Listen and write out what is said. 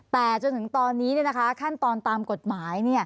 แต่จนถึงตอนนี้ขั้นตอนตามกฎหมาย